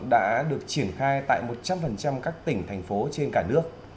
đã được triển khai tại một trăm linh các tỉnh thành phố trên cả nước